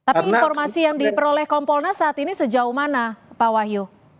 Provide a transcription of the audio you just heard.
tapi informasi yang diperoleh kompolnas saat ini sejauh mana pak wahyu